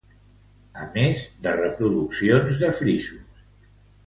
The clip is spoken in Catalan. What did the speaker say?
A més de reproduccions de frisos.